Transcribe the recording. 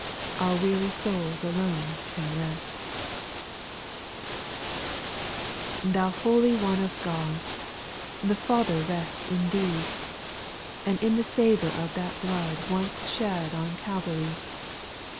Our weary souls alone can rest 2. Thou holy One of God I The Father rests in Thee, And in the savour of that blood Once shed on Calvary.